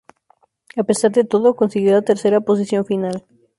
A pesar de todo consiguió la tercera posición final.